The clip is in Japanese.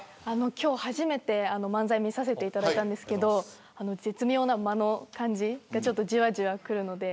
今日初めて漫才見させていただいたんですけど絶妙な間の感じがじわじわくるので。